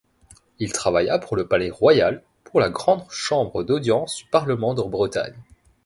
Il travailla pour le Palais-Royal, pour la grande chambre d’audience du Parlement de Bretagne.